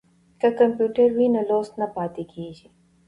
که کمپیوټر وي نو لوست نه پاتې کیږي.